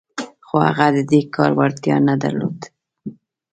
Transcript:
خو هغه د دې کار وړتيا نه درلوده.